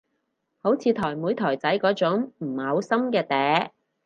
好似台妹台仔嗰種唔嘔心嘅嗲